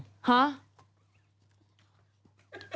ฮะ